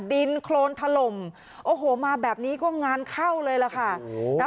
ดินโครนถล่มโอ้โหมาแบบนี้ก็งานเข้าเลยล่ะค่ะ